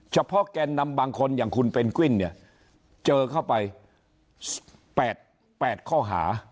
แกนนำบางคนอย่างคุณเพนกวินเนี่ยเจอเข้าไป๘ข้อหา